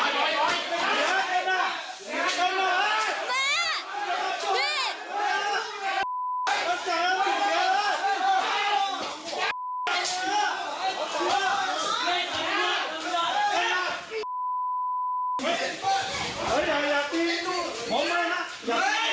มันเจอแล้วมันเจอแล้ว